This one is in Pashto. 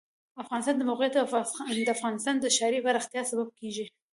د افغانستان د موقعیت د افغانستان د ښاري پراختیا سبب کېږي.